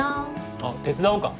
あっ手伝おうか？